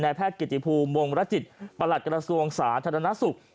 แพทย์กิติภูมิวงรจิตประหลัดกระทรวงสาธารณสุข